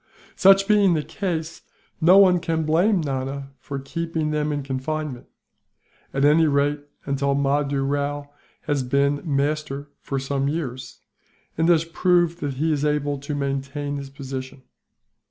Such being the case, no one can blame Nana for keeping them in confinement at any rate, until Mahdoo Rao has been master for some years, and has proved that he is able to maintain his position.